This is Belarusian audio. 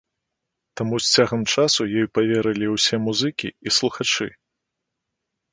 Таму з цягам часу ёй паверылі ўсе музыкі і слухачы.